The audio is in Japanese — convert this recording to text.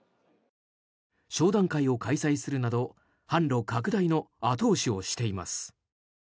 商談会を開催するなど販路拡大の後押しをしています。